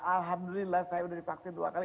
alhamdulillah saya sudah divaksin dua kali